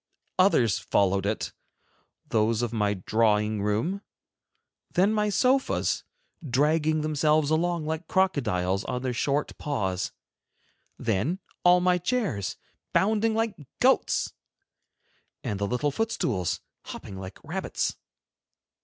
Others followed it, those of my drawing room, then my sofas, dragging themselves along like crocodiles on their short paws; then all my chairs, bounding like goats, and the little foot stools, hopping like rabbits.